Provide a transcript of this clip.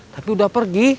tapi udah pergi